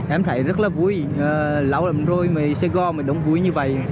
em thấy rất là vui lâu lắm rồi mà sài gòn đón vui như vậy